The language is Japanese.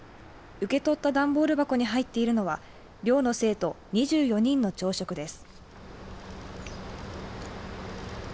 受け取った段ボール箱に入っているのは寮の生徒２４人の朝食です。